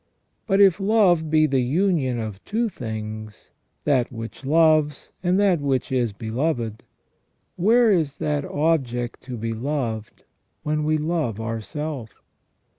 But if love be the union of two things, that which loves and that which is beloved, where is that object to be loved when we love ourself